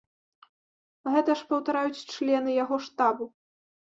Гэта ж паўтараюць члены яго штабу.